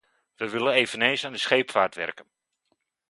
We willen eveneens aan de scheepvaart werken.